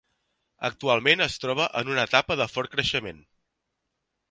Actualment es troba en una etapa de fort creixement.